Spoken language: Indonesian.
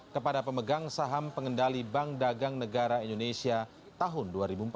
kepada pemegang saham pengendali bank dagang negara indonesia tahun dua ribu empat belas